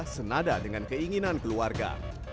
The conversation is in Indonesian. senada dengan keinginan keluarga